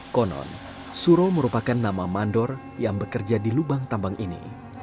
konon suro merupakan nama mandor yang bekerja di lubang tambang ini